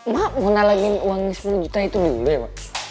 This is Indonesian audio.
mak mau nalangin uang sepuluh juta itu dulu ya mak